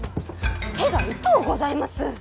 手が痛うございます！